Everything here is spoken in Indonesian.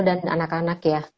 dan anak anak ya